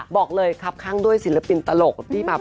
บอกเลยครับข้างด้วยศิลปินตลกที่มา